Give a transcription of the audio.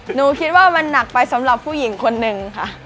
หนูคิดว่ามันหนักไปสำหรับผู้หญิงคนหนึ่งค่ะ